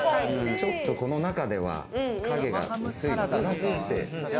ちょっと、この中ではかげが薄いのかなって。